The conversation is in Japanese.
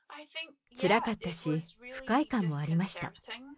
つらかったし、不快感もありました。